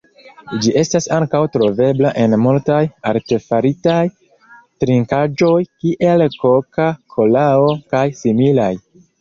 Ĝi estas ankaŭ trovebla en multaj artefaritaj trinkaĵoj, kiel koka-kolao kaj similaj.